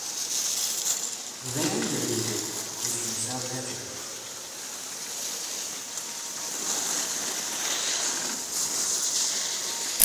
Van den Heever is from South Africa.